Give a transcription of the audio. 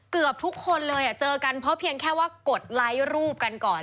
เกือบทุกคนเลยเจอกันเพราะเพียงแค่ว่ากดไลค์รูปกันก่อน